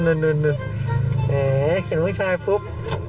เห็นผู้ชายปุ๊บ